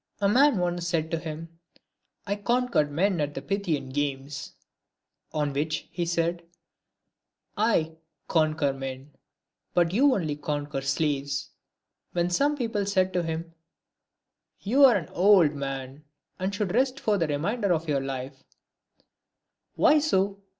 A man once said to him, " I conquered men at the Pythian games :" on which he said, " I conquer men, but you only conquer slaves." When some DIOGENES. 229 people said to him, " You are an old man, and should rest for the remainder of your life ;"" Why so?"